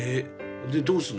でどうするの？